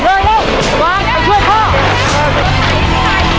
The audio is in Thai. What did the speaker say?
เร็วเร็วเร็ว